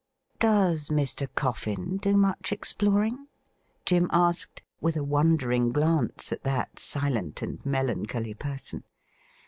' Does Mr. Coffin do much exploring .?' Jim asked, with a wondering glance at that silent and melancholy person.